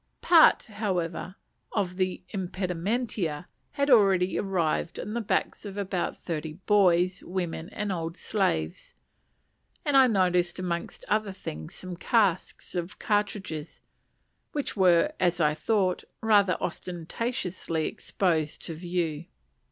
Part, however, of the "impedimenta" had already arrived on the backs of about thirty boys, women, and old slaves; and I noticed amongst other things some casks of cartridges, which were, as I thought, rather ostentatiously exposed to view.